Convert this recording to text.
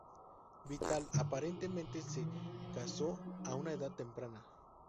Vital aparentemente se casó a una edad temprana.